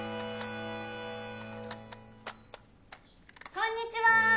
・・こんにちは。